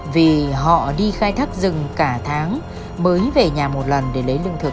vì họ đi khai thác rừng cả tháng mới về nhà một lần để lấy lương thực